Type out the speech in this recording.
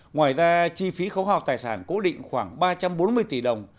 ngoài ra chi phí khấu hào tài sản cố định khoảng ba trăm bốn mươi tỷ đồng